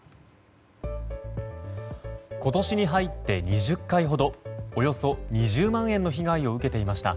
今年に入って２０回ほどおよそ２０万円の被害を受けていました。